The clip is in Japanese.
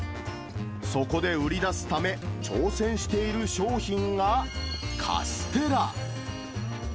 そこで売り出すため、挑戦している商品がカステラ。